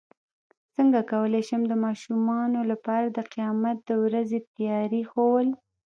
څنګه کولی شم د ماشومانو لپاره د قیامت د ورځې تیاري ښوول